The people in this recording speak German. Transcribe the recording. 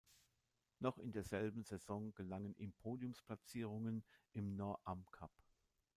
Noch in derselben Saison gelangen ihm Podiumsplatzierungen im Nor-Am Cup.